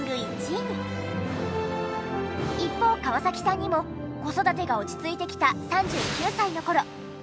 一方河崎さんにも子育てが落ち着いてきた。